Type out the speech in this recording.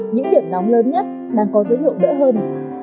những điểm nóng lớn nhất đang có dấu hiệu đỡ hơn